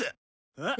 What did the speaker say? えっ？